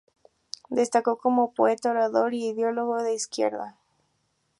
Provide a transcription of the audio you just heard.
Destacó como poeta, orador e ideólogo de izquierda.